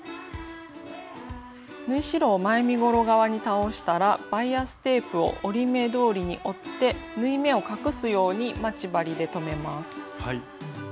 縫い代を前身ごろ側に倒したらバイアステープを折り目どおりに折って縫い目を隠すように待ち針で留めます。